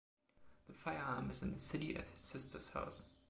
The firearm is in the city at his sister’s house.